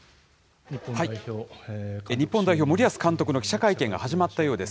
日本代表、森保監督の記者会見が始まったようです。